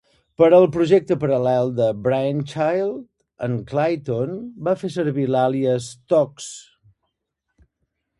Per al projecte paral·lel de Brainchild, en Klayton va fer servir l'àlies Tox.